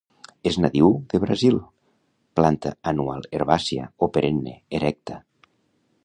És nadiu de Brasil. Planta anual herbàcia, o perenne; erecta.